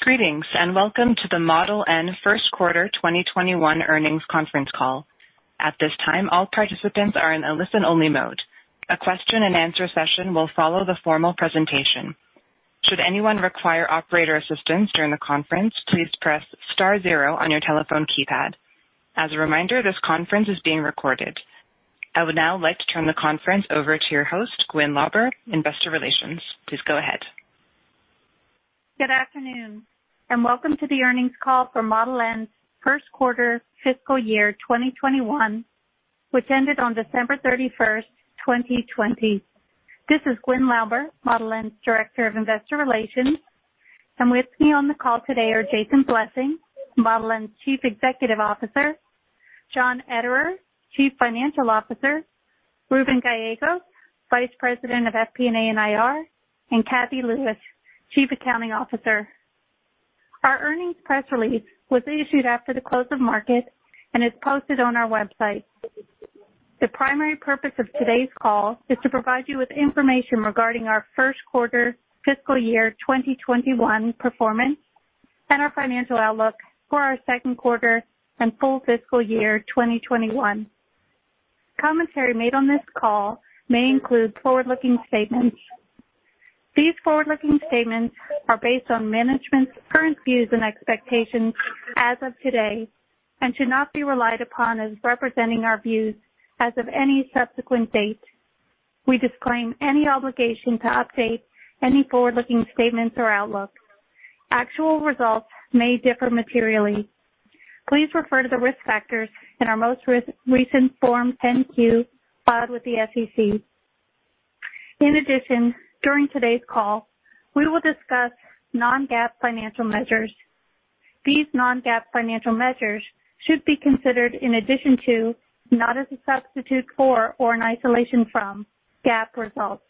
Greetings, and welcome to the Model N first quarter 2021 earnings conference call. At this time, all participants are in a listen-only mode. A question and answer session will follow the formal presentation. Should anyone require operator assistance during the conference, please press star zero on your telephone keypad. As a reminder, this conference is being recorded. I would now like to turn the conference over to your host, Gwyn Lauber, Investor Relations. Please go ahead. Good afternoon. Welcome to the earnings call for Model N's first quarter fiscal year 2021, which ended on December 31st, 2020. This is Gwyn Lauber, Model N's Director of Investor Relations, and with me on the call today are Jason Blessing, Model N's Chief Executive Officer, John Ederer, Chief Financial Officer, Reuben Gallegos, Vice President of FP&A and IR, and Cathy Lewis, Chief Accounting Officer. Our earnings press release was issued after the close of market and is posted on our website. The primary purpose of today's call is to provide you with information regarding our first quarter fiscal year 2021 performance and our financial outlook for our second quarter and full fiscal year 2021. Commentary made on this call may include forward-looking statements. These forward-looking statements are based on management's current views and expectations as of today and should not be relied upon as representing our views as of any subsequent date. We disclaim any obligation to update any forward-looking statements or outlooks. Actual results may differ materially. Please refer to the risk factors in our most recent Form 10-Q filed with the SEC. In addition, during today's call, we will discuss non-GAAP financial measures. These non-GAAP financial measures should be considered in addition to, not as a substitute for or in isolation from, GAAP results.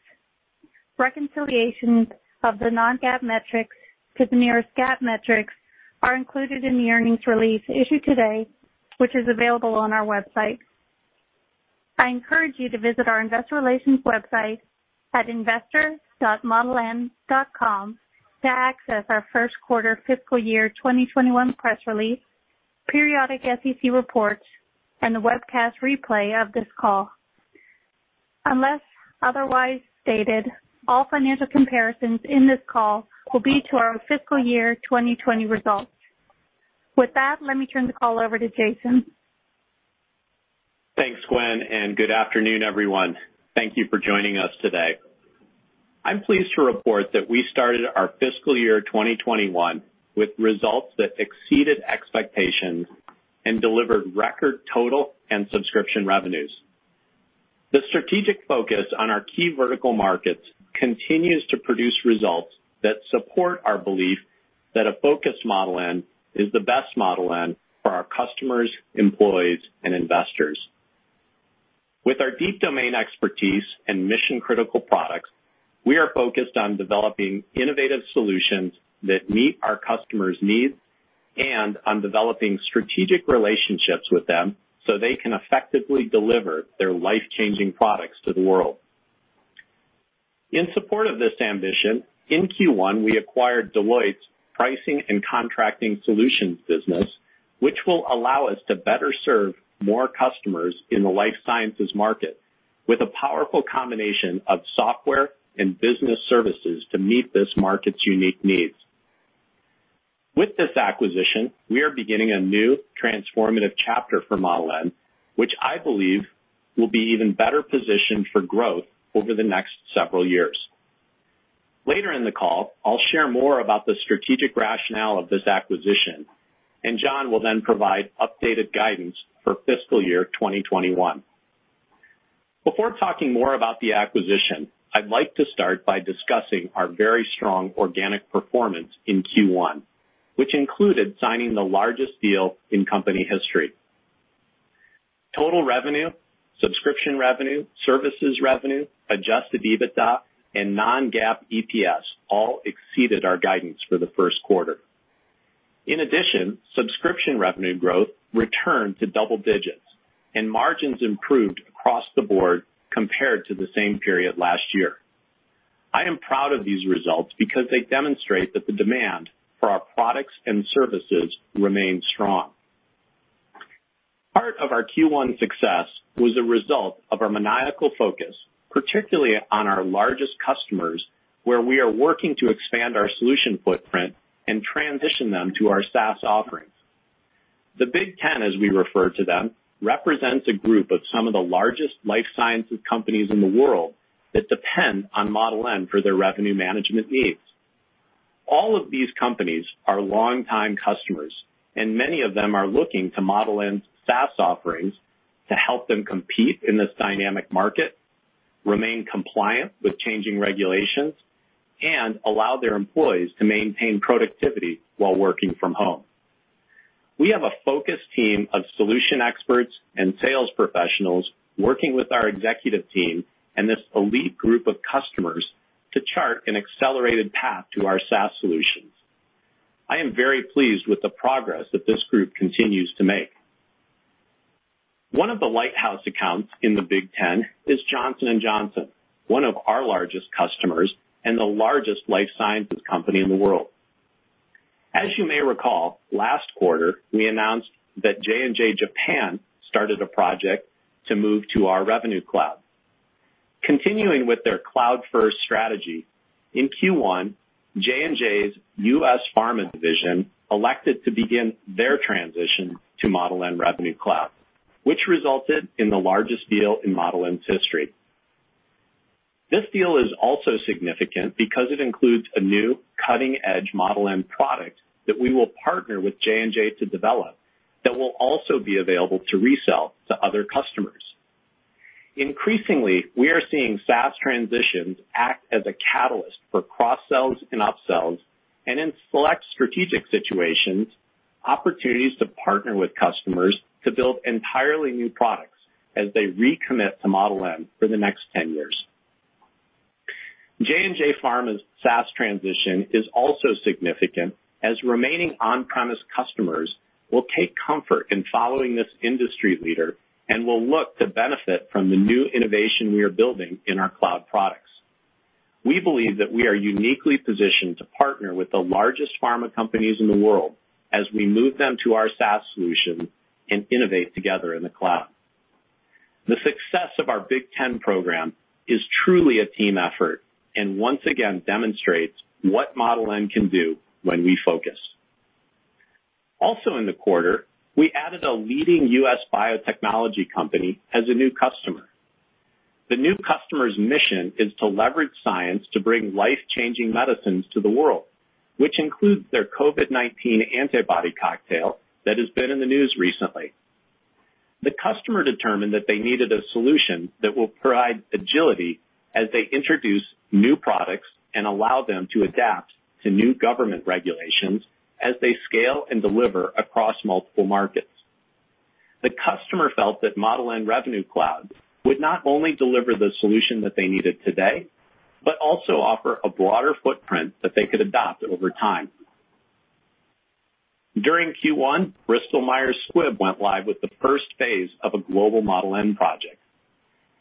Reconciliations of the non-GAAP metrics to the nearest GAAP metrics are included in the earnings release issued today, which is available on our website. I encourage you to visit our investor relations website at investor.modeln.com to access our first quarter fiscal year 2021 press release, periodic SEC reports, and the webcast replay of this call. Unless otherwise stated, all financial comparisons in this call will be to our fiscal year 2020 results. With that, let me turn the call over to Jason. Thanks, Gwyn. Good afternoon, everyone. Thank you for joining us today. I'm pleased to report that we started our fiscal year 2021 with results that exceeded expectations and delivered record total and subscription revenues. The strategic focus on our key vertical markets continues to produce results that support our belief that a focused Model N is the best Model N for our customers, employees, and investors. With our deep domain expertise and mission-critical products, we are focused on developing innovative solutions that meet our customers' needs and on developing strategic relationships with them so they can effectively deliver their life-changing products to the world. In support of this ambition, in Q1, we acquired Deloitte's Pricing and Contracting Solutions business, which will allow us to better serve more customers in the life sciences market with a powerful combination of software and business services to meet this market's unique needs. With this acquisition, we are beginning a new transformative chapter for Model N, which I believe will be even better positioned for growth over the next several years. Later in the call, I'll share more about the strategic rationale of this acquisition, and John will then provide updated guidance for fiscal year 2021. Before talking more about the acquisition, I'd like to start by discussing our very strong organic performance in Q1, which included signing the largest deal in company history. Total revenue, subscription revenue, services revenue, adjusted EBITDA, and non-GAAP EPS all exceeded our guidance for the first quarter. In addition, subscription revenue growth returned to double digits, and margins improved across the board compared to the same period last year. I am proud of these results because they demonstrate that the demand for our products and services remains strong. Part of our Q1 success was a result of our maniacal focus, particularly on our largest customers, where we are working to expand our solution footprint and transition them to our SaaS offerings. The Big Ten, as we refer to them, represents a group of some of the largest life sciences companies in the world that depend on Model N for their revenue management needs. All of these companies are longtime customers, and many of them are looking to Model N's SaaS offerings to help them compete in this dynamic market, remain compliant with changing regulations, and allow their employees to maintain productivity while working from home. We have a focused team of solution experts and sales professionals working with our executive team and this elite group of customers to chart an accelerated path to our SaaS solutions. I am very pleased with the progress that this group continues to make. One of the lighthouse accounts in the Big Ten is Johnson & Johnson, one of our largest customers and the largest life sciences company in the world. As you may recall, last quarter, we announced that J&J Japan started a project to move to our Revenue Cloud. Continuing with their cloud-first strategy, in Q1, J&J's U.S. Pharma division elected to begin their transition to Model N Revenue Cloud, which resulted in the largest deal in Model N's history. This deal is also significant because it includes a new cutting-edge Model N product that we will partner with J&J to develop that will also be available to resell to other customers. Increasingly, we are seeing SaaS transitions act as a catalyst for cross-sells and up-sells, and in select strategic situations, opportunities to partner with customers to build entirely new products as they recommit to Model N for the next 10 years. J&J Pharma's SaaS transition is also significant, as remaining on-premise customers will take comfort in following this industry leader and will look to benefit from the new innovation we are building in our cloud products. We believe that we are uniquely positioned to partner with the largest pharma companies in the world as we move them to our SaaS solution and innovate together in the cloud. The success of our Big Ten program is truly a team effort, and once again demonstrates what Model N can do when we focus. Also, in the quarter, we added a leading U.S. biotechnology company as a new customer. The new customer's mission is to leverage science to bring life-changing medicines to the world, which includes their COVID-19 antibody cocktail that has been in the news recently. The customer determined that they needed a solution that will provide agility as they introduce new products and allow them to adapt to new government regulations as they scale and deliver across multiple markets. The customer felt that Model N Revenue Cloud would not only deliver the solution that they needed today, but also offer a broader footprint that they could adopt over time. During Q1, Bristol Myers Squibb went live with the first phase of a global Model N project.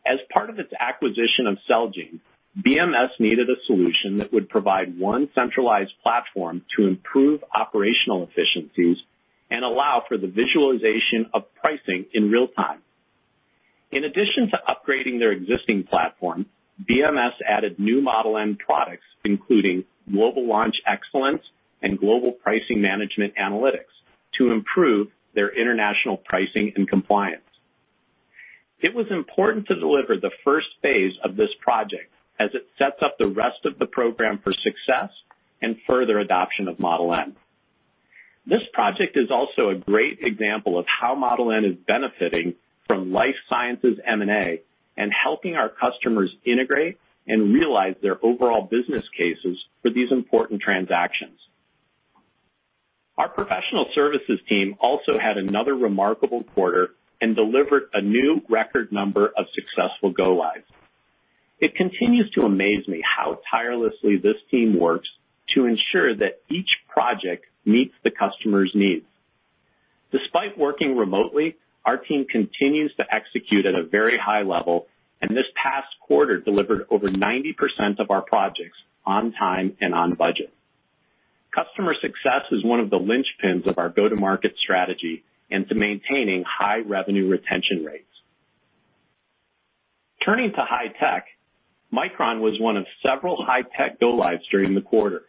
As part of its acquisition of Celgene, BMS needed a solution that would provide one centralized platform to improve operational efficiencies and allow for the visualization of pricing in real time. In addition to upgrading their existing platform, BMS added new Model N products, including Global Launch Excellence and Global Pricing Management Analytics, to improve their international pricing and compliance. It was important to deliver the first phase of this project, as it sets up the rest of the program for success and further adoption of Model N. This project is also a great example of how Model N is benefiting from life sciences M&A and helping our customers integrate and realize their overall business cases for these important transactions. Our professional services team also had another remarkable quarter and delivered a new record number of successful go lives. It continues to amaze me how tirelessly this team works to ensure that each project meets the customer's needs. Despite working remotely, our team continues to execute at a very high level, and this past quarter delivered over 90% of our projects on time and on budget. Customer success is one of the linchpins of our go-to-market strategy and to maintaining high revenue retention rates. Turning to high tech, Micron was one of several high-tech go lives during the quarter.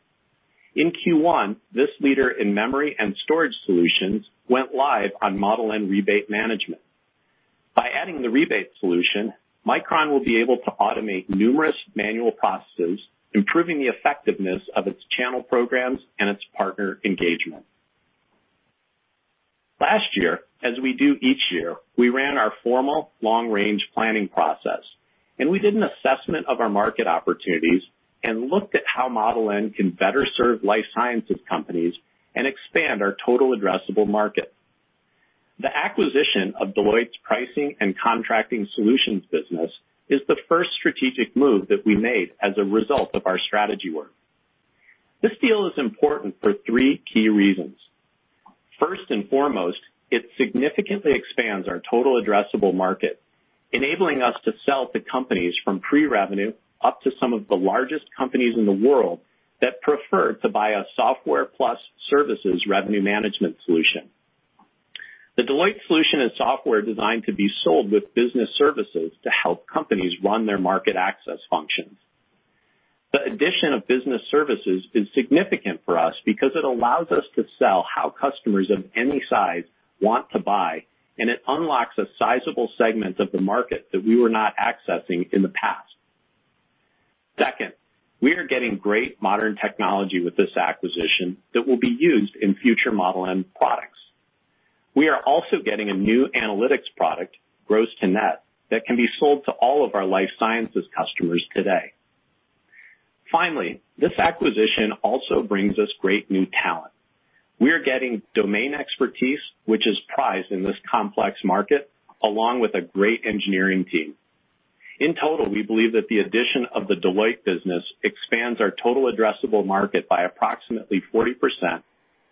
In Q1, this leader in memory and storage solutions went live on Model N Rebate Management. By adding the rebate solution, Micron will be able to automate numerous manual processes, improving the effectiveness of its channel programs and its partner engagement. Last year, as we do each year, we ran our formal long-range planning process, and we did an assessment of our market opportunities and looked at how Model N can better serve life sciences companies and expand our total addressable market. The acquisition of Deloitte's Pricing and Contracting Solutions business is the first strategic move that we made as a result of our strategy work. This deal is important for three key reasons. First and foremost, it significantly expands our total addressable market, enabling us to sell to companies from pre-revenue up to some of the largest companies in the world that prefer to buy a software plus services revenue management solution. The Deloitte solution is software designed to be sold with business services to help companies run their market access functions. The addition of business services is significant for us because it allows us to sell how customers of any size want to buy. It unlocks a sizable segment of the market that we were not accessing in the past. Second, we are getting great modern technology with this acquisition that will be used in future Model N products. We are also getting a new analytics product, Global Pricing Management, that can be sold to all of our life sciences customers today. This acquisition also brings us great new talent. We are getting domain expertise, which is prized in this complex market, along with a great engineering team. We believe that the addition of the Deloitte business expands our total addressable market by approximately 40%,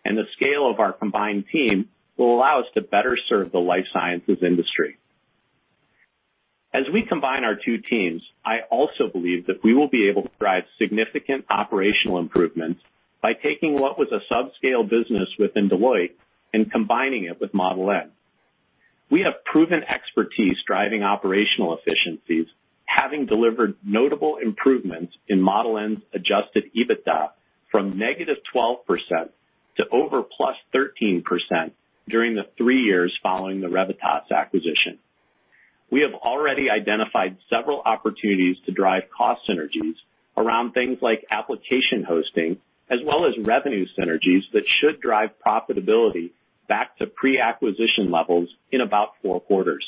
and the scale of our combined team will allow us to better serve the life sciences industry. We also believe that we will be able to drive significant operational improvements by taking what was a subscale business within Deloitte and combining it with Model N. We have proven expertise driving operational efficiencies, having delivered notable improvements in Model N's adjusted EBITDA from -12% to over +13% during the three years following the Revitas acquisition. We have already identified several opportunities to drive cost synergies around things like application hosting, as well as revenue synergies that should drive profitability back to pre-acquisition levels in about four quarters.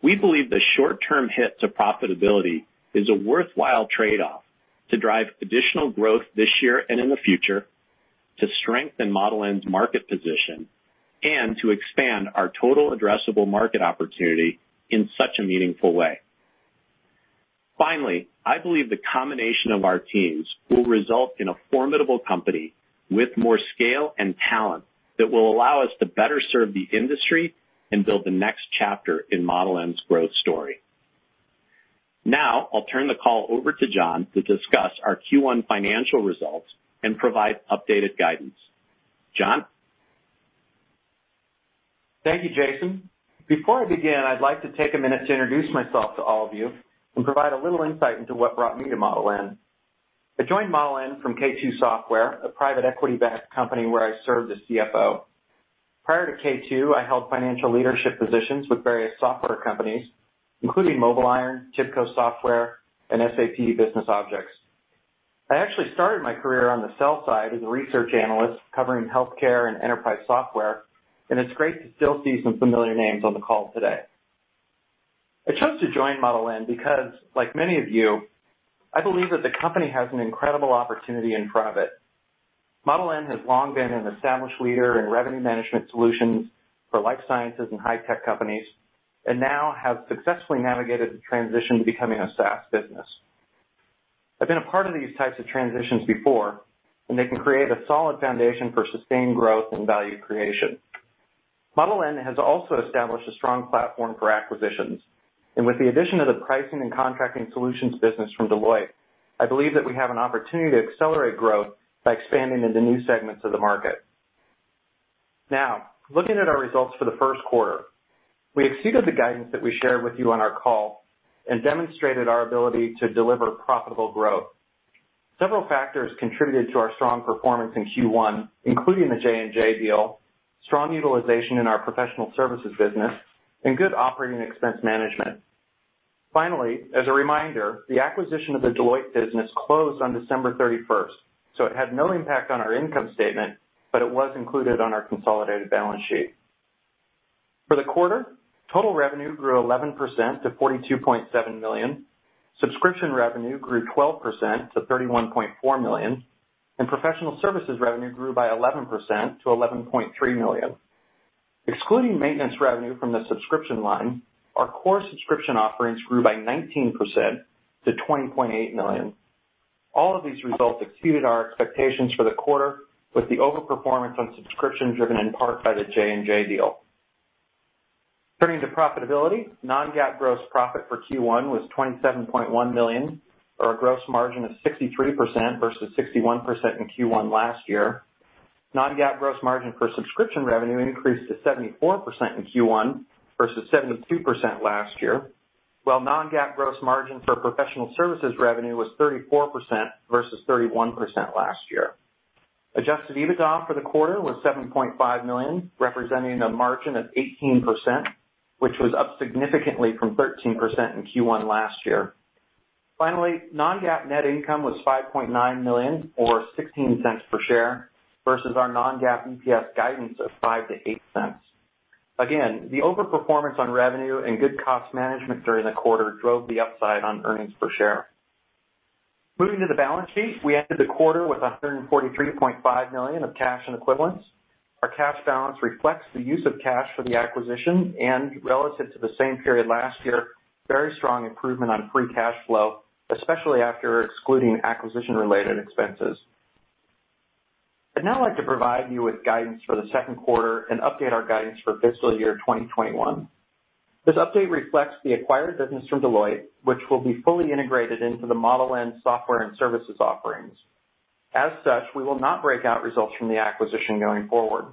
We believe the short-term hit to profitability is a worthwhile trade-off to drive additional growth this year and in the future, to strengthen Model N's market position, and to expand our total addressable market opportunity in such a meaningful way. Finally, I believe the combination of our teams will result in a formidable company with more scale and talent that will allow us to better serve the industry and build the next chapter in Model N's growth story. Now, I'll turn the call over to John to discuss our Q1 financial results and provide updated guidance. John? Thank you, Jason. Before I begin, I'd like to take a minute to introduce myself to all of you and provide a little insight into what brought me to Model N. I joined Model N from K2 Software, a private equity-backed company where I served as CFO. Prior to K2, I held financial leadership positions with various software companies, including MobileIron, TIBCO Software, and SAP BusinessObjects. I actually started my career on the sell side as a research analyst covering healthcare and enterprise software, and it's great to still see some familiar names on the call today. I chose to join Model N because, like many of you, I believe that the company has an incredible opportunity in front of it. Model N has long been an established leader in revenue management solutions for life sciences and high-tech companies, now has successfully navigated the transition to becoming a SaaS business. I've been a part of these types of transitions before, they can create a solid foundation for sustained growth and value creation. Model N has also established a strong platform for acquisitions, with the addition of the Pricing and Contracting Solutions business from Deloitte, I believe that we have an opportunity to accelerate growth by expanding into new segments of the market. Looking at our results for the first quarter, we exceeded the guidance that we shared with you on our call and demonstrated our ability to deliver profitable growth. Several factors contributed to our strong performance in Q1, including the J&J deal, strong utilization in our professional services business, and good operating expense management. Finally, as a reminder, the acquisition of the Deloitte business closed on December 31st. It had no impact on our income statement, but it was included on our consolidated balance sheet. For the quarter, total revenue grew 11% to $42.7 million. Subscription revenue grew 12% to $31.4 million. Professional services revenue grew by 11% to $11.3 million. Excluding maintenance revenue from the subscription line, our core subscription offerings grew by 19% to $20.8 million. All of these results exceeded our expectations for the quarter, with the over-performance on subscription driven in part by the J&J deal. Turning to profitability, non-GAAP gross profit for Q1 was $27.1 million, or a gross margin of 63% versus 61% in Q1 last year. Non-GAAP gross margin for subscription revenue increased to 74% in Q1 versus 72% last year, while non-GAAP gross margin for professional services revenue was 34% versus 31% last year. Adjusted EBITDA for the quarter was $7.5 million, representing a margin of 18%, which was up significantly from 13% in Q1 last year. Finally, non-GAAP net income was $5.9 million, or $0.16 per share, versus our non-GAAP EPS guidance of $0.05-$0.08. Again, the over-performance on revenue and good cost management during the quarter drove the upside on earnings per share. Moving to the balance sheet, we ended the quarter with $143.5 million of cash and equivalents. Our cash balance reflects the use of cash for the acquisition and, relative to the same period last year, very strong improvement on free cash flow, especially after excluding acquisition-related expenses. I'd now like to provide you with guidance for the second quarter and update our guidance for fiscal year 2021. This update reflects the acquired business from Deloitte, which will be fully integrated into the Model N software and services offerings. As such, we will not break out results from the acquisition going forward.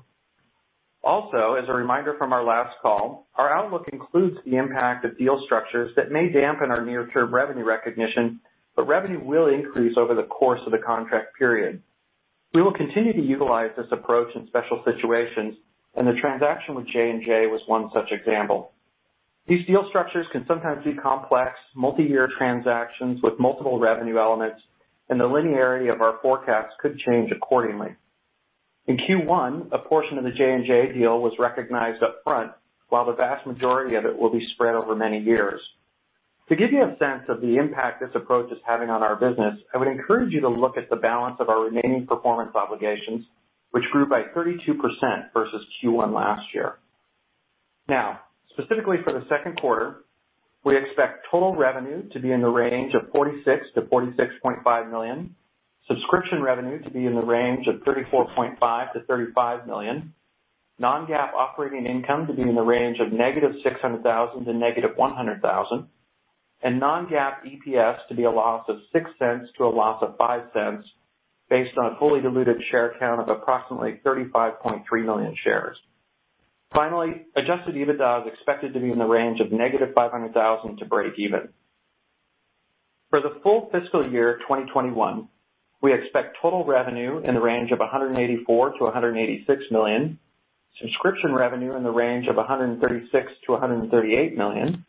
As a reminder from our last call, our outlook includes the impact of deal structures that may dampen our near-term revenue recognition, but revenue will increase over the course of the contract period. We will continue to utilize this approach in special situations, and the transaction with J&J was one such example. These deal structures can sometimes be complex, multi-year transactions with multiple revenue elements, and the linearity of our forecasts could change accordingly. In Q1, a portion of the J&J deal was recognized up front, while the vast majority of it will be spread over many years. To give you a sense of the impact this approach is having on our business, I would encourage you to look at the balance of our remaining performance obligations which grew by 32% versus Q1 last year. Now, specifically for the second quarter, we expect total revenue to be in the range of $46 million-$46.5 million, subscription revenue to be in the range of $34.5 million-$35 million, non-GAAP operating income to be in the range of -$600,000 to -$100,000, and non-GAAP EPS to be a loss of -$0.06 to a loss of -$0.05, based on a fully diluted share count of approximately 35.3 million shares. Finally, adjusted EBITDA is expected to be in the range of -$500,000 to breakeven. For the full fiscal year 2021, we expect total revenue in the range of $184 million-$186 million, subscription revenue in the range of $136 million-$138 million,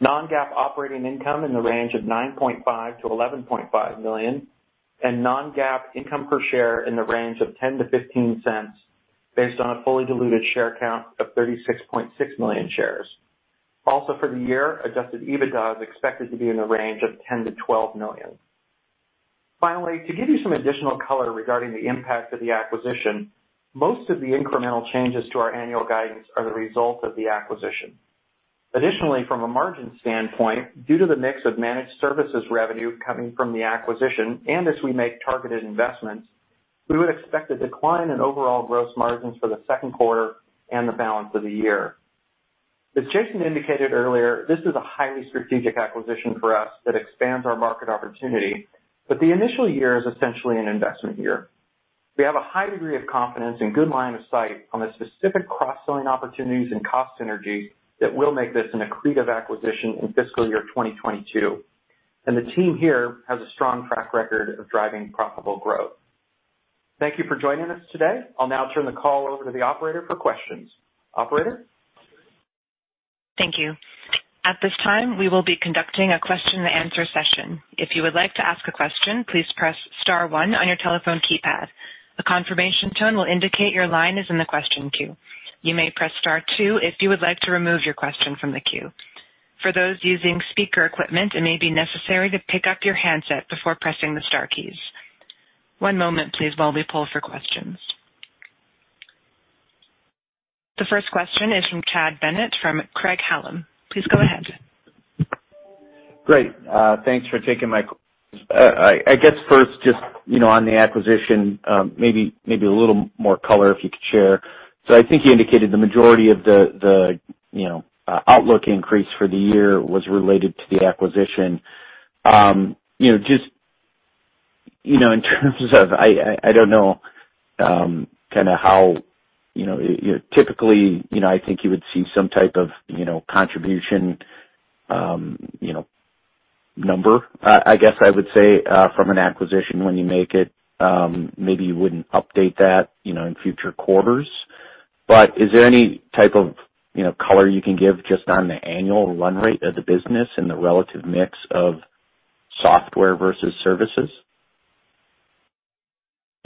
non-GAAP operating income in the range of $9.5 million-$11.5 million, and non-GAAP income per share in the range of $0.10-$0.15 based on a fully diluted share count of 36.6 million shares. Also for the year, adjusted EBITDA is expected to be in the range of $10 million-$12 million. Finally, to give you some additional color regarding the impact of the acquisition, most of the incremental changes to our annual guidance are the result of the acquisition. Additionally, from a margin standpoint, due to the mix of managed services revenue coming from the acquisition, and as we make targeted investments, we would expect a decline in overall gross margins for the second quarter and the balance of the year. As Jason indicated earlier, this is a highly strategic acquisition for us that expands our market opportunity, but the initial year is essentially an investment year. We have a high degree of confidence and good line of sight on the specific cross-selling opportunities and cost synergy that will make this an accretive acquisition in fiscal year 2022. The team here has a strong track record of driving profitable growth. Thank you for joining us today. I'll now turn the call over to the operator for questions. Operator? Thank you. At this time, we will be conducting a question and answer session. If you would like to ask a question, please press star one on your telephone keypad. A confirmation tone will indicate your line is in the question queue. You may press star two if you would like to remove your question from the queue. For those using speaker equipment, it may be necessary to pick up your handset before pressing the star keys. One moment please while we poll for questions. The first question is from Chad Bennett from Craig-Hallum. Please go ahead. Great. Thanks for taking. I guess first, just on the acquisition, maybe a little more color if you could share. I think you indicated the majority of the outlook increase for the year was related to the acquisition. Just in terms of, I don't know how, typically, I think you would see some type of contribution number, I guess I would say, from an acquisition when you make it. Maybe you wouldn't update that in future quarters. Is there any type of color you can give just on the annual run rate of the business and the relative mix of software versus services?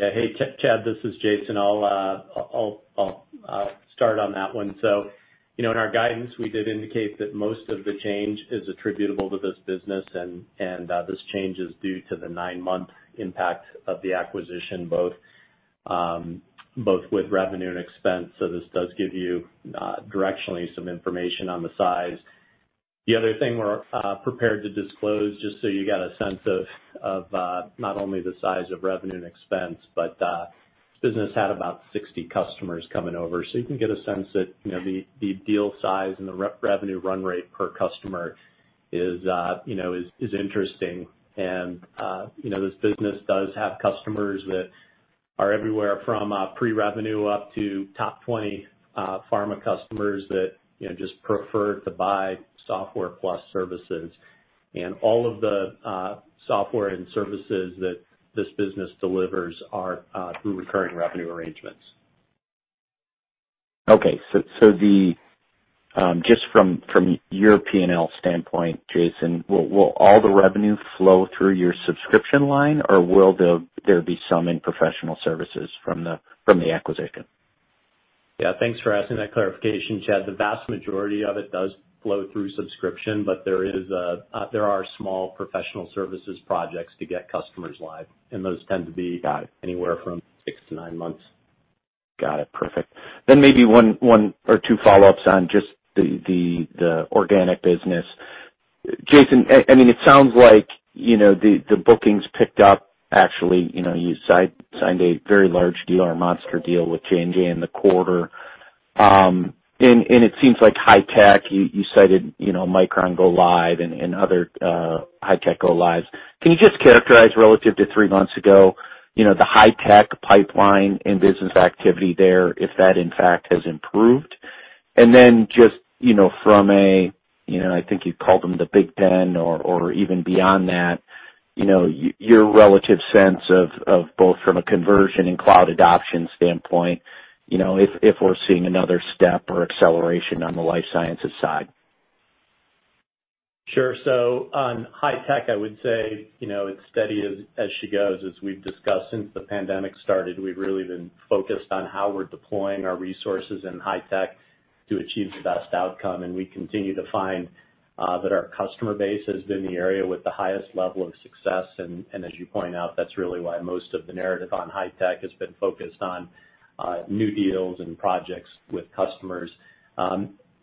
Hey, Chad, this is Jason. I'll start on that one. In our guidance, we did indicate that most of the change is attributable to this business and this change is due to the nine-month impact of the acquisition, both with revenue and expense. This does give you, directionally, some information on the size. The other thing we're prepared to disclose, just so you get a sense of not only the size of revenue and expense, but this business had about 60 customers coming over. You can get a sense that the deal size and the revenue run rate per customer is interesting. This business does have customers that are everywhere from pre-revenue up to top 20 pharma customers that just prefer to buy software plus services. All of the software and services that this business delivers are through recurring revenue arrangements. Okay. Just from your P&L standpoint, Jason, will all the revenue flow through your subscription line, or will there be some in professional services from the acquisition? Yeah, thanks for asking that clarification, Chad. The vast majority of it does flow through subscription, but there are small professional services projects to get customers live, and those tend to be anywhere from six to nine months. Got it. Perfect. Maybe one or two follow-ups on just the organic business. Jason, it sounds like the bookings picked up, actually. You signed a very large deal or a monster deal with J&J in the quarter. It seems like high tech, you cited Micron go live and other high tech go lives. Can you just characterize, relative to three months ago, the high tech pipeline and business activity there, if that in fact has improved? Just from a, I think you called them the Big Ten or even beyond that, your relative sense of both from a conversion and cloud adoption standpoint, if we're seeing another step or acceleration on the life sciences side. Sure. On high tech, I would say it's steady as she goes. As we've discussed since the pandemic started, we've really been focused on how we're deploying our resources in high tech to achieve the best outcome. We continue to find that our customer base has been the area with the highest level of success. As you point out, that's really why most of the narrative on high tech has been focused on new deals and projects with customers.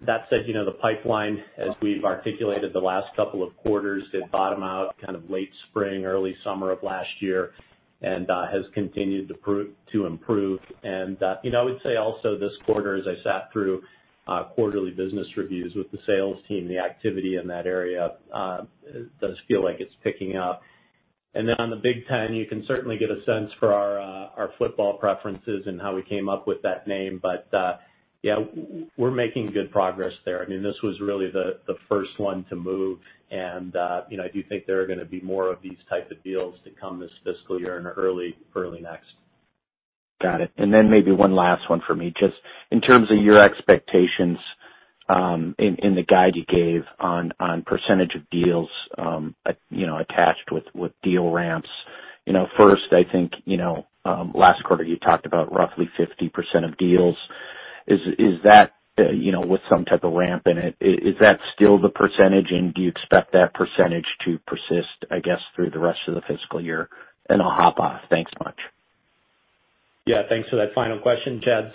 That said, the pipeline, as we've articulated the last couple of quarters, did bottom out kind of late spring, early summer of last year and has continued to improve. I would say also this quarter, as I sat through quarterly business reviews with the sales team, the activity in that area does feel like it's picking up. Then on the Big 10, you can certainly get a sense for our football preferences and how we came up with that name. Yeah, we're making good progress there. This was really the first one to move and I do think there are going to be more of these type of deals to come this fiscal year and early next. Got it. Maybe one last one for me. Just in terms of your expectations in the guide you gave on percentage of deals attached with deal ramps. I think, last quarter you talked about roughly 50% of deals. Is that with some type of ramp in it? Is that still the percentage and do you expect that percentage to persist, I guess, through the rest of the fiscal year? I'll hop off. Thanks so much. Yeah, thanks for that final question, Chad.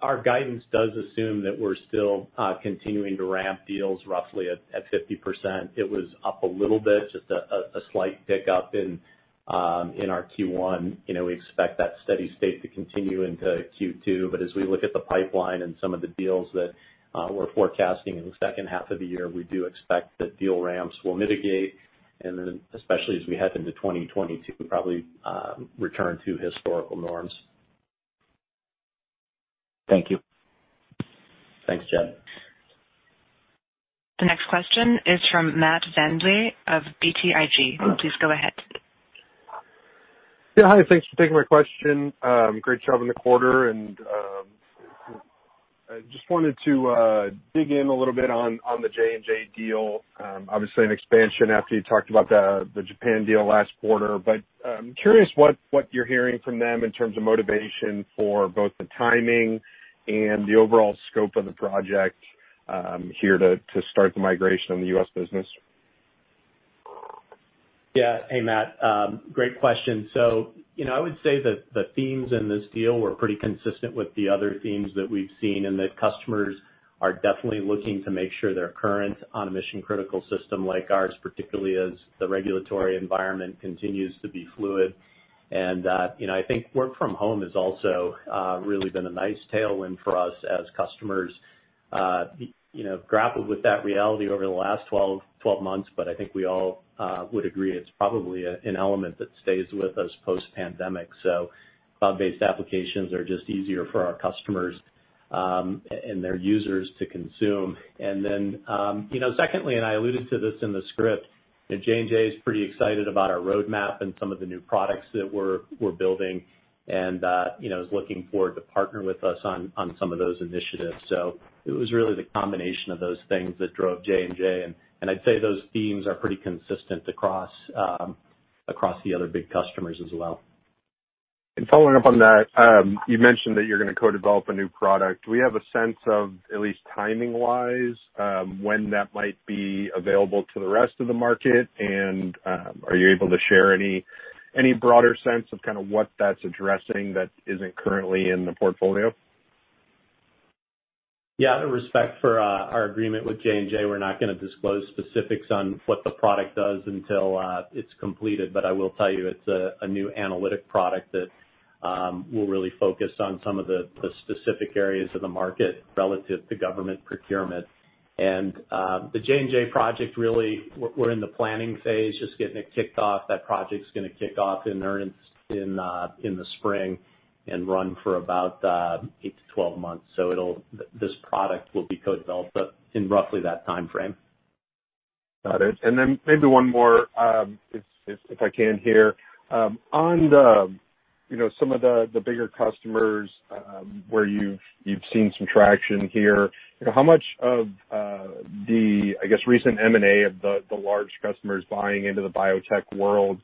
Our guidance does assume that we're still continuing to ramp deals roughly at 50%. It was up a little bit, just a slight pick-up in our Q1. We expect that steady state to continue into Q2. As we look at the pipeline and some of the deals that we're forecasting in the second half of the year, we do expect that deal ramps will mitigate and then, especially as we head into 2022, probably return to historical norms. Thank you. Thanks, Chad. The next question is from Matt VanVliet of BTIG. Please go ahead. Yeah. Hi, thanks for taking my question. Great job on the quarter and I just wanted to dig in a little bit on the J&J deal. Obviously an expansion after you talked about the Japan deal last quarter, but I'm curious what you're hearing from them in terms of motivation for both the timing and the overall scope of the project here to start the migration on the U.S. business. Yeah. Hey, Matt. Great question. I would say that the themes in this deal were pretty consistent with the other themes that we've seen and that customers are definitely looking to make sure they're current on a mission-critical system like ours, particularly as the regulatory environment continues to be fluid. I think work from home has also really been a nice tailwind for us as customers grapple with that reality over the last 12 months. I think we all would agree it's probably an element that stays with us post-pandemic. Cloud-based applications are just easier for our customers and their users to consume. Secondly, I alluded to this in the script, J&J is pretty excited about our roadmap and some of the new products that we're building and is looking forward to partner with us on some of those initiatives. It was really the combination of those things that drove J&J and I'd say those themes are pretty consistent across the other big customers as well. Following up on that, you mentioned that you're going to co-develop a new product. Do we have a sense of at least timing-wise when that might be available to the rest of the market? Are you able to share any broader sense of kind of what that's addressing that isn't currently in the portfolio? Out of respect for our agreement with J&J, we're not going to disclose specifics on what the product does until it's completed. I will tell you it's a new analytic product that will really focus on some of the specific areas of the market relative to government procurement. The J&J project really, we're in the planning phase, just getting it kicked off. That project's going to kick off in the spring and run for about 8 to 12 months. This product will be co-developed in roughly that timeframe. Got it. Maybe one more if I can here. On some of the bigger customers where you've seen some traction here, how much of the, I guess, recent M&A of the large customers buying into the biotech world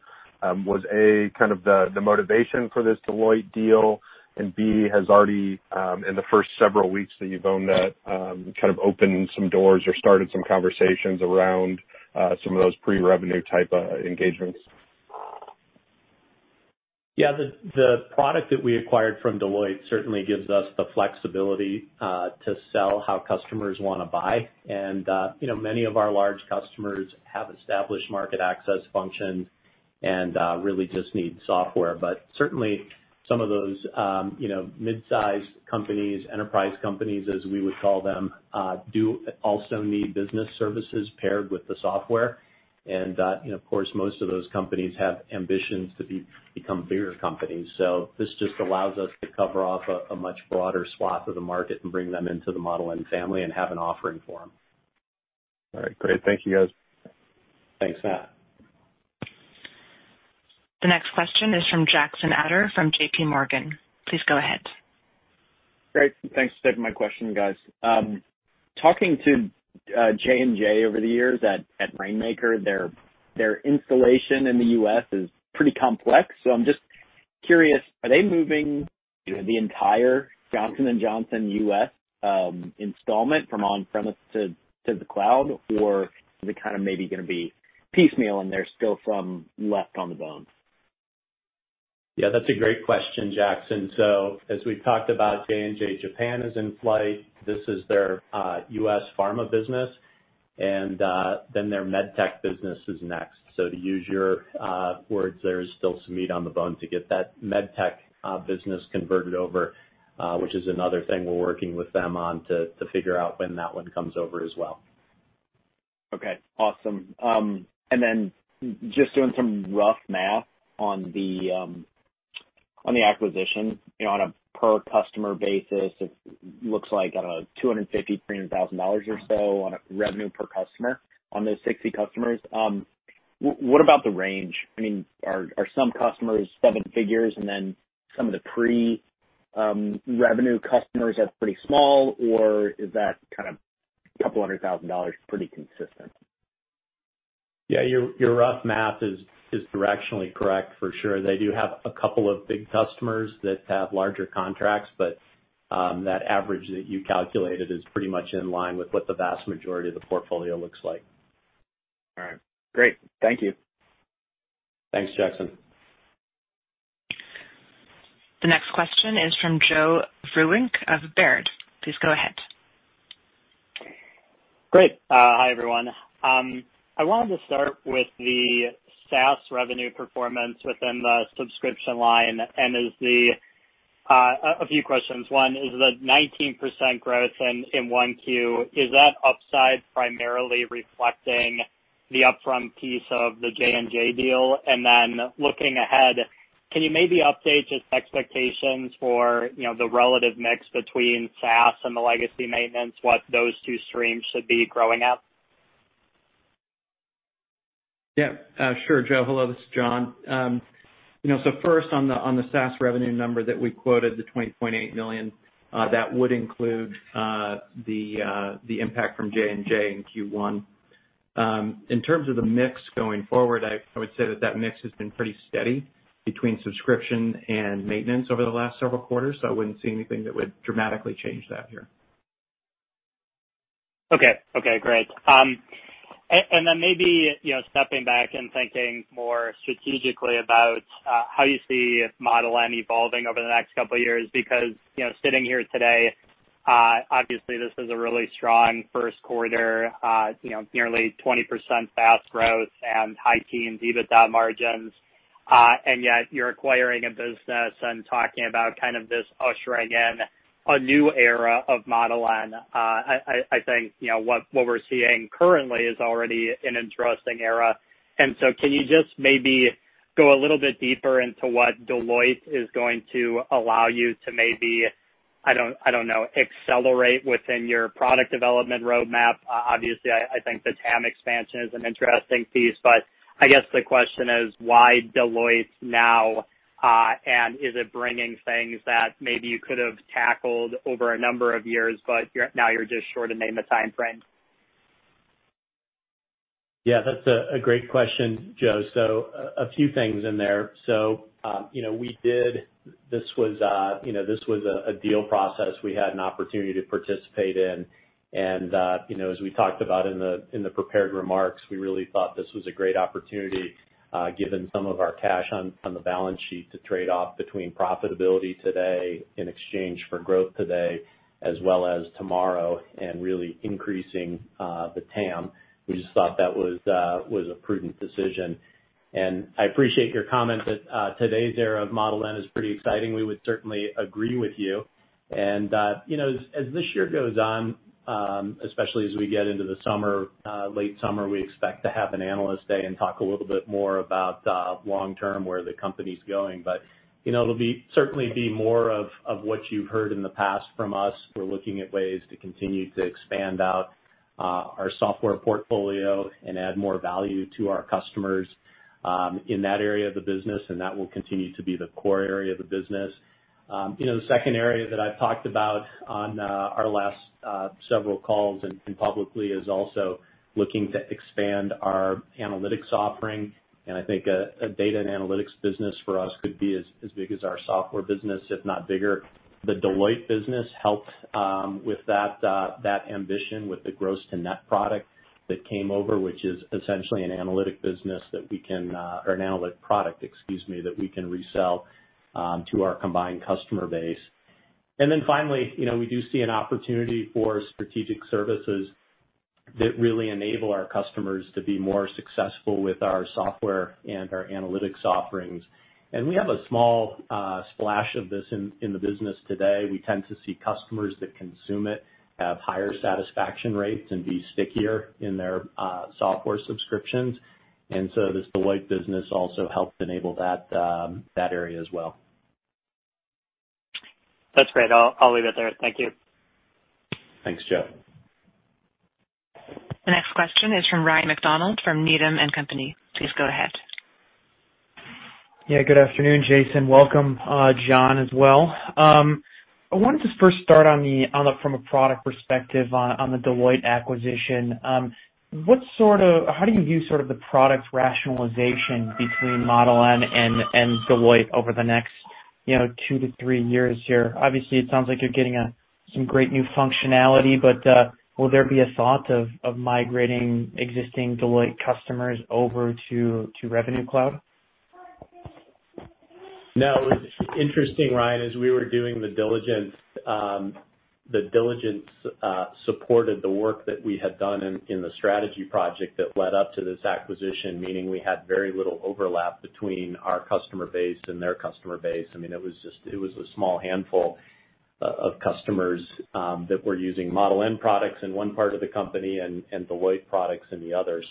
was A, kind of the motivation for this Deloitte deal, and B, has already in the first several weeks that you've owned that kind of opened some doors or started some conversations around some of those pre-revenue type engagements? Yeah. The product that we acquired from Deloitte certainly gives us the flexibility to sell how customers want to buy. Many of our large customers have established market access functions and really just need software. Certainly some of those mid-size companies, enterprise companies, as we would call them do also need business services paired with the software. Of course, most of those companies have ambitions to become bigger companies. This just allows us to cover off a much broader swath of the market and bring them into the Model N family and have an offering for them. All right, great. Thank you guys. Thanks, Matt. The next question is from Jackson Ader from JPMorgan. Please go ahead. Great. Thanks for taking my question, guys. Talking to J&J over the years at Rainmaker, their installation in the U.S. is pretty complex. I'm just curious, are they moving the entire Johnson & Johnson U.S. installment from on-premise to the cloud? Or are they maybe going to be piecemealing their scope from left on the bone? Yeah, that's a great question, Jackson. As we've talked about, J&J Japan is in flight. This is their U.S. pharma business, and then their MedTech business is next. To use your words, there is still some meat on the bone to get that MedTech business converted over, which is another thing we're working with them on to figure out when that one comes over as well. Okay, awesome. Just doing some rough math on the acquisition on a per customer basis, it looks like at a $250,000, $300,000 or so on a revenue per customer on those 60 customers. What about the range? Are some customers seven figures and then some of the pre-revenue customers are pretty small, or is that a couple hundred thousand dollars pretty consistent? Yeah, your rough math is directionally correct for sure. They do have a couple of big customers that have larger contracts, but that average that you calculated is pretty much in line with what the vast majority of the portfolio looks like. All right, great. Thank you. Thanks, Jackson. The next question is from Joe Vruwink of Baird. Please go ahead. Great. Hi, everyone. I wanted to start with the SaaS revenue performance within the subscription line, and a few questions. One, is the 19% growth in 1Q, is that upside primarily reflecting the upfront piece of the J&J deal? Looking ahead, can you maybe update just expectations for the relative mix between SaaS and the legacy maintenance, what those two streams should be growing at? Yeah. Sure, Joe. Hello, this is John. First on the SaaS revenue number that we quoted, the $20.8 million, that would include the impact from J&J in Q1. In terms of the mix going forward, I would say that mix has been pretty steady between subscription and maintenance over the last several quarters, so I wouldn't see anything that would dramatically change that here. Okay. Great. Then maybe stepping back and thinking more strategically about how you see Model N evolving over the next couple of years. Sitting here today, obviously this is a really strong first quarter, nearly 20% fast growth and high teens EBITDA margins. Yet you're acquiring a business and talking about this ushering in a new era of Model N. I think what we're seeing currently is already an interesting era, can you just maybe go a little bit deeper into what Deloitte is going to allow you to maybe, I don't know, accelerate within your product development roadmap? Obviously, I think the TAM expansion is an interesting piece, I guess the question is why Deloitte now? Is it bringing things that maybe you could have tackled over a number of years, but now you're just short of name a timeframe? Yeah, that's a great question, Joe. A few things in there. This was a deal process we had an opportunity to participate in. As we talked about in the prepared remarks, we really thought this was a great opportunity, given some of our cash on the balance sheet, to trade off between profitability today in exchange for growth today as well as tomorrow, and really increasing the TAM. We just thought that was a prudent decision. I appreciate your comment that today's era of Model N is pretty exciting. We would certainly agree with you. As this year goes on, especially as we get into the late summer, we expect to have an analyst day and talk a little bit more about long-term where the company's going. It'll certainly be more of what you've heard in the past from us. We're looking at ways to continue to expand out our software portfolio and add more value to our customers in that area of the business, and that will continue to be the core area of the business. The second area that I've talked about on our last several calls and publicly is also looking to expand our analytics offering, and I think a data and analytics business for us could be as big as our software business, if not bigger. The Deloitte business helped with that ambition with the Gross-to-Net product that came over, which is essentially an analytic business that we can, or an analytic product, excuse me, that we can resell to our combined customer base. Then finally, we do see an opportunity for strategic services that really enable our customers to be more successful with our software and our analytics offerings. We have a small splash of this in the business today. We tend to see customers that consume it have higher satisfaction rates and be stickier in their software subscriptions. This Deloitte business also helped enable that area as well. That's great. I'll leave it there. Thank you. Thanks, Joe. The next question is from Ryan MacDonald from Needham & Company. Please go ahead. Good afternoon, Jason. Welcome, John, as well. I wanted to first start from a product perspective on the Deloitte acquisition. How do you view the product rationalization between Model N and Deloitte over the next two to three years here? Obviously, it sounds like you're getting some great new functionality, will there be a thought of migrating existing Deloitte customers over to Revenue Cloud? No. What's interesting, Ryan, is we were doing the diligence. The diligence supported the work that we had done in the strategy project that led up to this acquisition, meaning we had very little overlap between our customer base and their customer base. It was a small handful of customers that were using Model N products in one part of the company and Deloitte products in the other.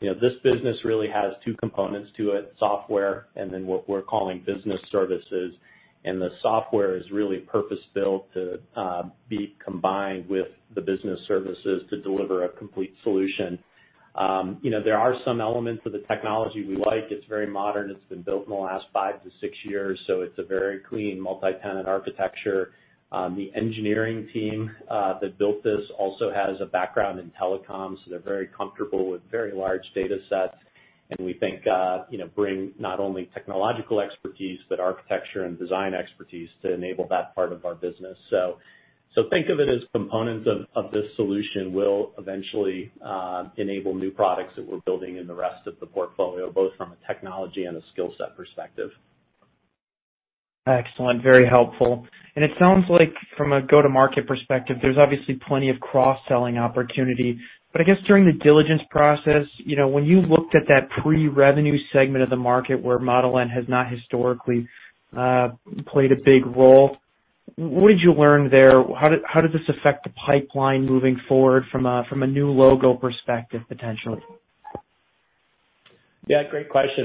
This business really has two components to it, software and then what we're calling business services. The software is really purpose-built to be combined with the business services to deliver a complete solution. There are some elements of the technology we like. It's very modern. It's been built in the last five to six years, so it's a very clean multi-tenant architecture. The engineering team that built this also has a background in telecoms, they're very comfortable with very large data sets, we think bring not only technological expertise, but architecture and design expertise to enable that part of our business. Think of it as components of this solution will eventually enable new products that we're building in the rest of the portfolio, both from a technology and a skill set perspective. Excellent. Very helpful. It sounds like from a go-to-market perspective, there's obviously plenty of cross-selling opportunity. I guess during the diligence process, when you looked at that pre-revenue segment of the market where Model N has not historically played a big role, what did you learn there? How did this affect the pipeline moving forward from a new logo perspective, potentially? Yeah, great question.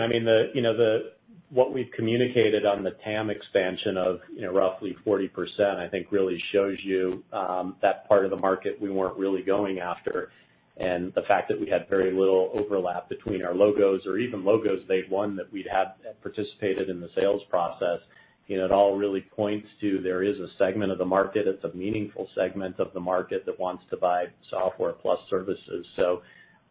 What we've communicated on the TAM expansion of roughly 40%, I think, really shows you that part of the market we weren't really going after. The fact that we had very little overlap between our logos or even logos they'd won that we'd have participated in the sales process, it all really points to there is a segment of the market, it's a meaningful segment of the market that wants to buy software plus services.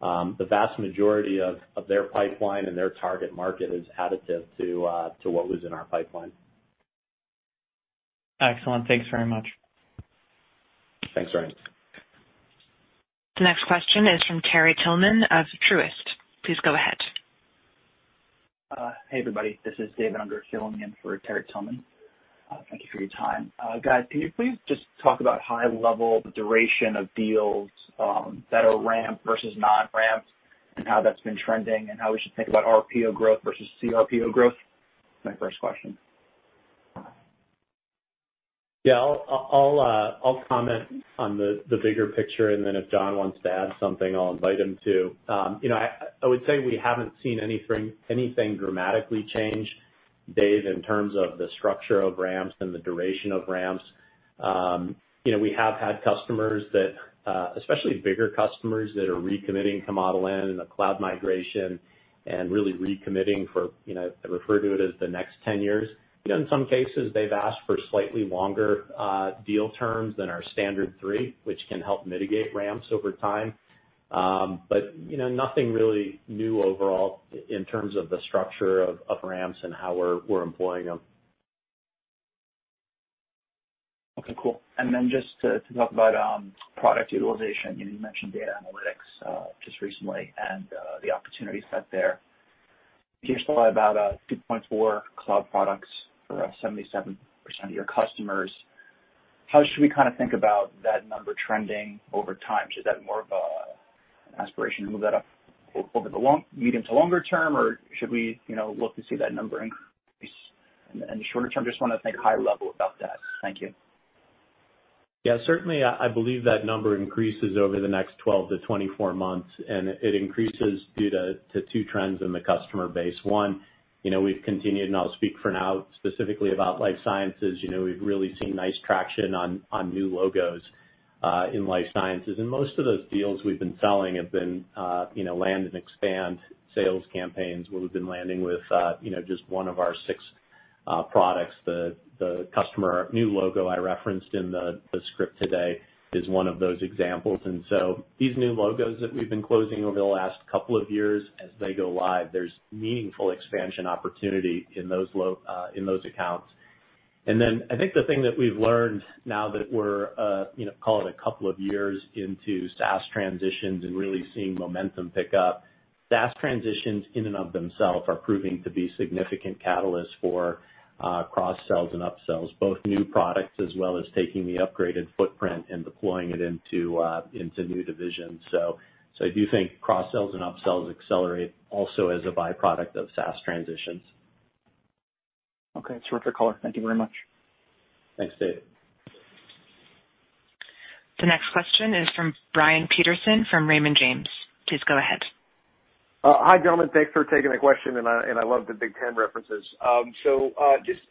The vast majority of their pipeline and their target market is additive to what was in our pipeline. Excellent. Thanks very much. Thanks, Ryan. The next question is from Terry Tillman of Truist. Please go ahead. Hey, everybody. This is David Unger filling in for Terry Tillman. Thank you for your time. Guys, can you please just talk about high level, the duration of deals that are ramped versus not ramped, and how that's been trending, and how we should think about RPO growth versus CRPO growth? That's my first question. Yeah. I'll comment on the bigger picture, and then if John wants to add something, I'll invite him to. I would say we haven't seen anything dramatically change, Dave, in terms of the structure of ramps and the duration of ramps. We have had customers, especially bigger customers, that are recommitting to Model N in a cloud migration and really recommitting for, I refer to it as the next 10 years. In some cases, they've asked for slightly longer deal terms than our standard three, which can help mitigate ramps over time. Nothing really new overall in terms of the structure of ramps and how we're employing them. Okay, cool. Just to talk about product utilization, you mentioned data analytics just recently and the opportunity set there. You just talked about 2.4 cloud products for 77% of your customers. How should we think about that number trending over time? Should that be more of an aspiration to move that up over the medium to longer term, or should we look to see that number increase in the shorter term? Just want to think high level about that. Thank you. Certainly, I believe that number increases over the next 12-24 months. It increases due to two trends in the customer base. One, we've continued, I'll speak for now specifically about life sciences, we've really seen nice traction on new logos in life sciences. Most of those deals we've been selling have been land and expand sales campaigns where we've been landing with just one of our six products. The customer new logo I referenced in the script today is one of those examples. These new logos that we've been closing over the last couple of years, as they go live, there's meaningful expansion opportunity in those accounts. I think the thing that we've learned now that we're, call it a couple of years into SaaS transitions and really seeing momentum pick up, SaaS transitions in and of themselves are proving to be significant catalysts for cross-sells and up-sells, both new products as well as taking the upgraded footprint and deploying it into new divisions. I do think cross-sells and up-sells accelerate also as a byproduct of SaaS transitions. Okay. It's a worth color. Thank you very much. Thanks, Dave. The next question is from Brian Peterson from Raymond James. Please go ahead. Hi, gentlemen. Thanks for taking the question. I love the Big Ten references. Just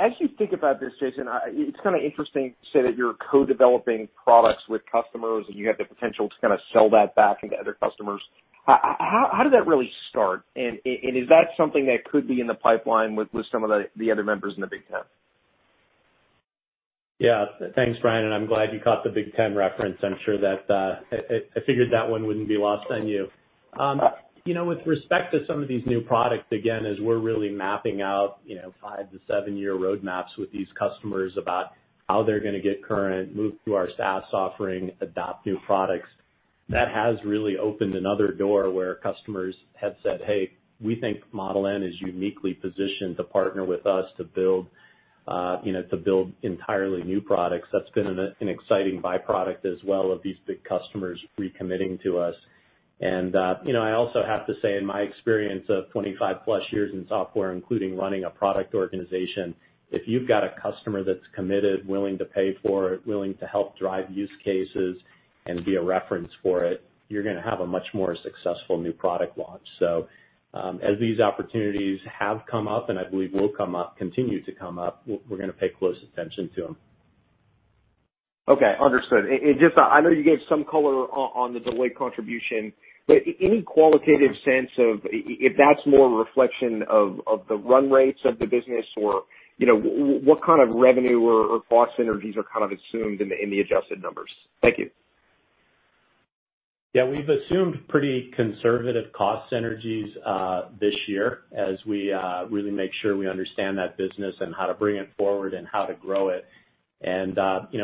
as you think about this, Jason, it's kind of interesting to say that you're co-developing products with customers, and you have the potential to sell that back into other customers. How did that really start? Is that something that could be in the pipeline with some of the other members in the Big Ten? Yeah. Thanks, Brian, and I'm glad you caught the Big Ten reference. I figured that one wouldn't be lost on you. With respect to some of these new products, again, as we're really mapping out five to seven-year roadmaps with these customers about how they're going to get current, move to our SaaS offering, adopt new products. That has really opened another door where customers have said, "Hey, we think Model N is uniquely positioned to partner with us to build entirely new products." That's been an exciting byproduct as well of these big customers recommitting to us. I also have to say, in my experience of 25+ years in software, including running a product organization, if you've got a customer that's committed, willing to pay for it, willing to help drive use cases and be a reference for it, you're going to have a much more successful new product launch. As these opportunities have come up, and I believe will come up, continue to come up, we're going to pay close attention to them. Okay, understood. I know you gave some color on the Deloitte contribution. Any qualitative sense of if that's more a reflection of the run rates of the business or what kind of revenue or cost synergies are kind of assumed in the adjusted numbers? Thank you. Yeah. We've assumed pretty conservative cost synergies this year as we really make sure we understand that business and how to bring it forward and how to grow it.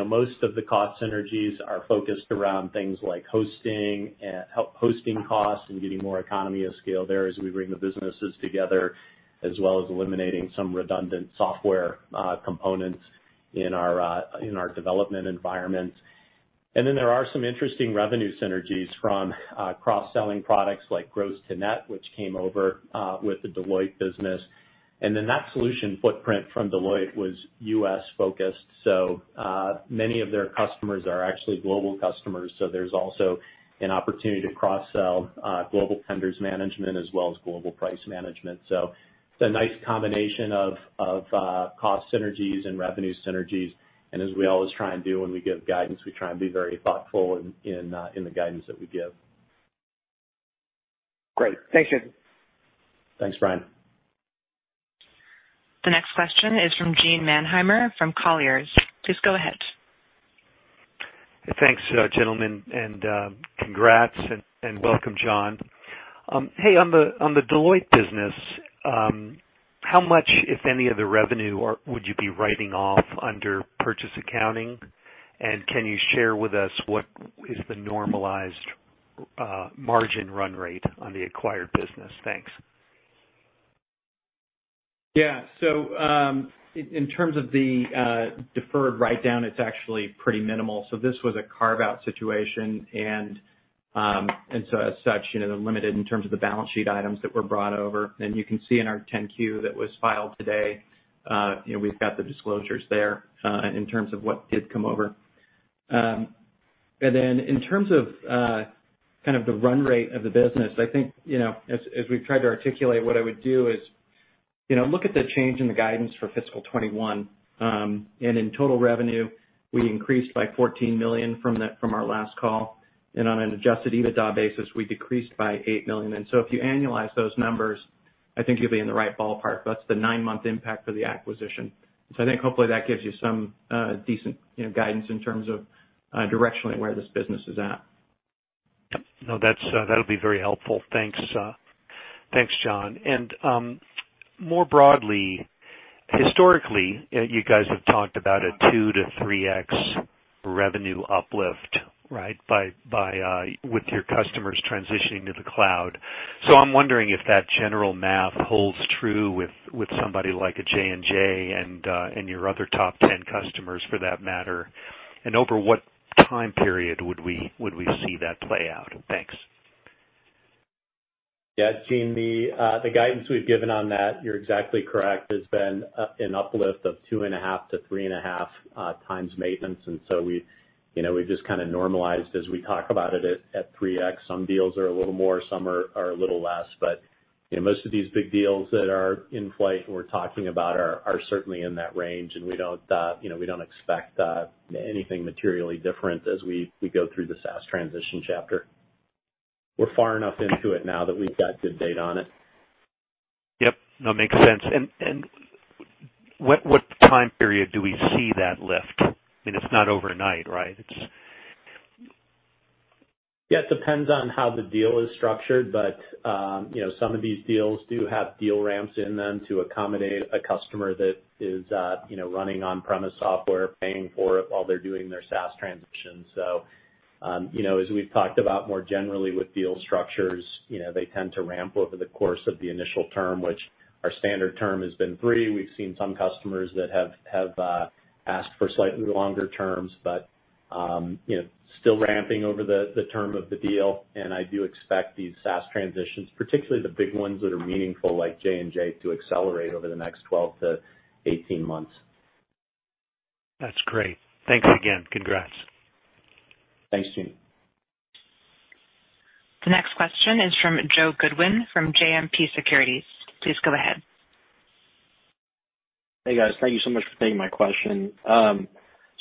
Most of the cost synergies are focused around things like hosting costs and getting more economy of scale there as we bring the businesses together, as well as eliminating some redundant software components in our development environments. There are some interesting revenue synergies from cross-selling products like Gross-to-Net, which came over with the Deloitte business. That solution footprint from Deloitte was U.S.-focused, so many of their customers are actually global customers. There's also an opportunity to cross-sell Global Tender Management as well as Global Pricing Management. It's a nice combination of cost synergies and revenue synergies. As we always try and do when we give guidance, we try and be very thoughtful in the guidance that we give. Great. Thanks, Jason. Thanks, Brian. The next question is from Gene Mannheimer from Colliers. Please go ahead. Thanks, gentlemen, and congrats, and welcome, John. Hey, on the Deloitte business, how much, if any, of the revenue would you be writing off under purchase accounting? Can you share with us what is the normalized margin run rate on the acquired business? Thanks. In terms of the deferred write-down, it's actually pretty minimal. This was a carve-out situation, and as such, limited in terms of the balance sheet items that were brought over. You can see in our 10-Q that was filed today, we've got the disclosures there, in terms of what did come over. Then in terms of kind of the run rate of the business, I think, as we've tried to articulate, what I would do is look at the change in the guidance for fiscal 2021. In total revenue, we increased by $14 million from our last call, and on an adjusted EBITDA basis, we decreased by $8 million. If you annualize those numbers, I think you'll be in the right ballpark. That's the nine-month impact of the acquisition. I think hopefully that gives you some decent guidance in terms of directionally where this business is at. No, that'll be very helpful. Thanks, John. More broadly, historically, you guys have talked about a 2x-3x revenue uplift, right, with your customers transitioning to the cloud. I'm wondering if that general math holds true with somebody like a J&J and your other top 10 customers for that matter. Over what time period would we see that play out? Thanks. Gene, the guidance we've given on that, you're exactly correct, has been an uplift of 2.5-3.5 times maintenance. We've just kind of normalized as we talk about it at 3x. Some deals are a little more, some are a little less. Most of these big deals that are in flight and we're talking about are certainly in that range, and we don't expect anything materially different as we go through the SaaS transition chapter. We're far enough into it now that we've got good data on it. Yep. No, makes sense. What time period do we see that lift? I mean, it's not overnight, right? It depends on how the deal is structured, but some of these deals do have deal ramps in them to accommodate a customer that is running on-premise software, paying for it while they're doing their SaaS transition. As we've talked about more generally with deal structures, they tend to ramp over the course of the initial term, which our standard term has been three. We've seen some customers that have asked for slightly longer terms, but still ramping over the term of the deal. I do expect these SaaS transitions, particularly the big ones that are meaningful, like J&J, to accelerate over the next 12 to 18 months. That's great. Thanks again. Congrats. Thanks, Gene. The next question is from Joe Goodwin from JMP Securities. Please go ahead. Hey, guys. Thank you so much for taking my question. On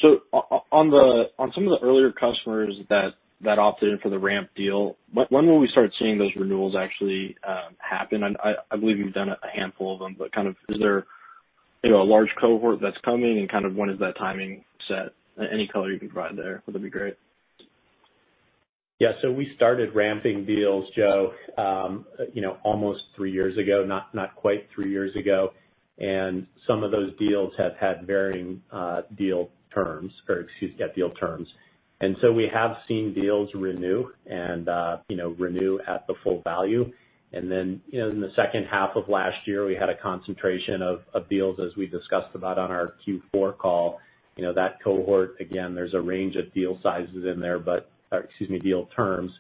some of the earlier customers that opted in for the ramp deal, when will we start seeing those renewals actually happen? I believe you've done a handful of them, but kind of is there a large cohort that's coming, and kind of when is that timing set? Any color you can provide there, that'd be great. We started ramping deals, Joe, almost three years ago, not quite three years ago. Some of those deals have had varying deal terms, or excuse me, deal terms. We have seen deals renew and renew at the full value. Then, in the second half of last year, we had a concentration of deals, as we discussed about on our Q4 call. That cohort, again, there's a range of deal sizes in there, or excuse me, deal terms,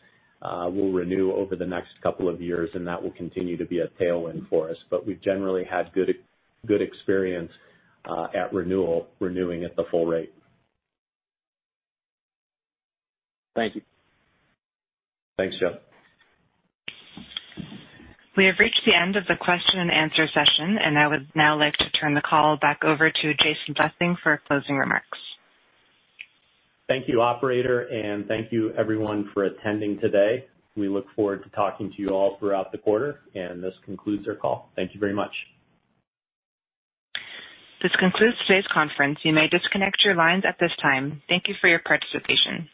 will renew over the next couple of years, and that will continue to be a tailwind for us. We've generally had good experience at renewal, renewing at the full rate. Thank you. Thanks, Joe. We have reached the end of the question and answer session, and I would now like to turn the call back over to Jason Blessing for closing remarks. Thank you, operator, and thank you everyone for attending today. We look forward to talking to you all throughout the quarter, and this concludes our call. Thank you very much. This concludes today's conference. You may disconnect your lines at this time. Thank you for your participation.